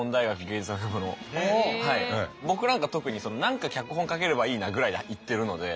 僕なんか特に何か脚本書ければいいなぐらいで行ってるので。